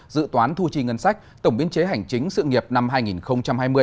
dự toán thu chi ngân sách tổng biên chế hành chính sự nghiệp năm hai nghìn hai mươi